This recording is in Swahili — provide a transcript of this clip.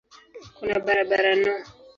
Kuna barabara no.